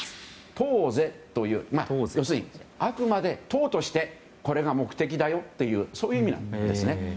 党是という要するにあくまで党としてこれが目的だよというそういう意味なんですね。